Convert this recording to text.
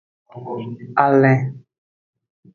Alen.